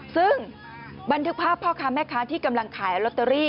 ซึ่งบันทึกภาพพ่อค้าแม่ค้าที่กำลังขายลอตเตอรี่